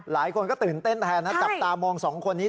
หลายคนก็ตื่นเต้นแทนนะจับตามองสองคนนี้